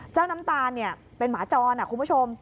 น้ำตาลเป็นหมาจรคุณผู้ชม